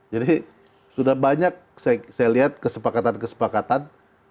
jadi sudah banyak saya lihat kesepakatan kesepakatan